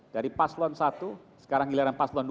dari paslon satu sekarang giliran paslon dua